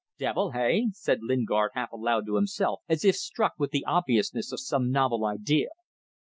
"Devil! Hey?" said Lingard, half aloud to himself, as if struck with the obviousness of some novel idea.